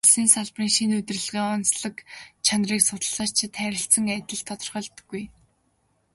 Улсын салбарын шинэ удирдлагын онцлог чанарыг судлаачид харилцан адил тодорхойлдоггүй.